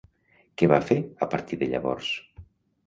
Què va fer a partir de llavors?